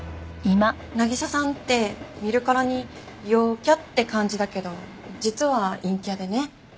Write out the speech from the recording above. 渚さんって見るからに陽キャって感じだけど実は陰キャでね。